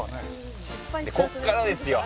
ここからですよ。